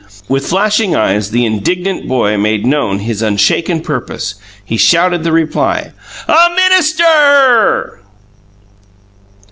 With flashing eyes, the indignant boy made know his unshaken purpose. He shouted the reply: "A minister!"